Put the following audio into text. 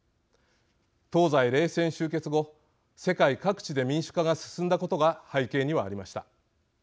東西冷戦終結後世界各地で民主化が進んだことが背景にはありました。